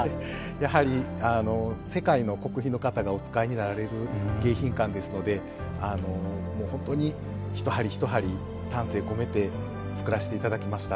やはり世界の国賓の方がお使いになられる迎賓館ですので本当に一針一針丹精込めて作らせて頂きました。